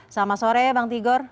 selamat sore bang tigor